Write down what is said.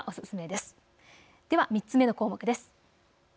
では３つ目の項目です。